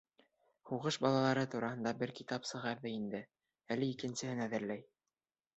Һуғыш балалары тураһында бер китап сығарҙы инде, әле икенсеһен әҙерләй.